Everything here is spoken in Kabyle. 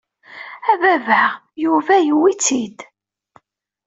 A baba! Yuba yewwi-tt-id!